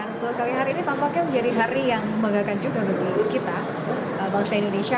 untuk kali hari ini tampaknya menjadi hari yang membanggakan juga untuk kita bangsa indonesia